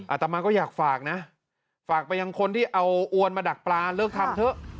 อาตมาก็อยากฝากนะฝากไปยังคนที่เอาอวนมาดักปลาเลิกทำเถอะ